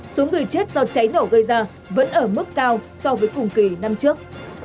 số người chết do cháy nổ gây ra vẫn ở mức cao so với cùng kỳ năm trước